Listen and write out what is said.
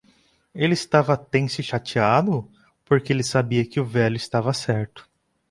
Ele estava tenso e chateado? porque ele sabia que o velho estava certo.